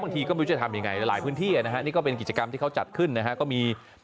ที่ก็ไม่รู้จะทำยังไงหลายพื้นที่นะฮะนี่ก็เป็นกิจกรรมที่เขาจัดขึ้นนะฮะก็มี